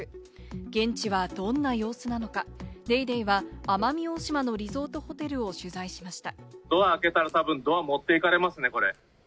現地はどんな様子なのか、『ＤａｙＤａｙ．』は奄美大島のリゾートホテルを取材しました。